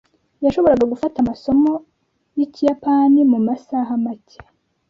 Yashoboraga gufata amasomo yikiyapani mumasaha make.